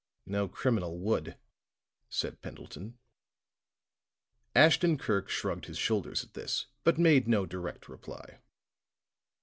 "No criminal would," said Pendleton. Ashton Kirk shrugged his shoulders at this, but made no direct reply.